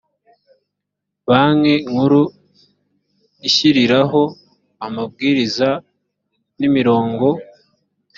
banki nkuru ishyiriraho amabwiriza n‘imirongo